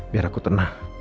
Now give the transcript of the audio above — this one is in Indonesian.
biar aku tenang